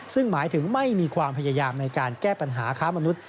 ซึ่งหมายถึงไม่มีความพยายามในการแก้ปัญหาค้ามนุษย